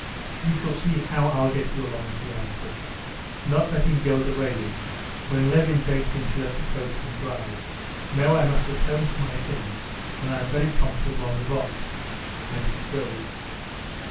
You shall see how I'll get you along," he answered, not letting go the rein, when Levin begged him to let the coachman drive. "No, I must atone for my sins, and I'm very comfortable on the box." And he drove.